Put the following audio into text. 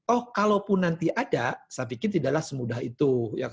oh kalaupun nanti ada saya pikir tidaklah semudah itu